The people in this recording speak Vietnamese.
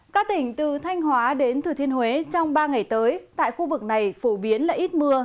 các tỉnh từ thanh hóa đến thừa thiên huế trong ba ngày tới tại khu vực này phổ biến là ít mưa